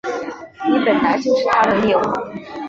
你本来就是他的猎物